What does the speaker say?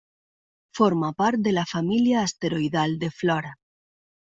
Forma part de la família asteroidal de Flora.